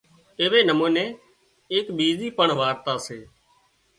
ايوي نموني اِيڪ ٻيزي پڻ وارتا سي